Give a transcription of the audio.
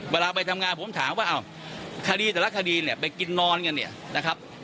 เวลาไปทำงานผมถามว่าคดีแต่ละคดีเนี่ยไปกินนอนกันเนี่ยนะครับ